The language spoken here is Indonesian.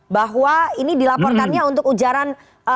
bahwa ini dilaporkannya untuk ujaran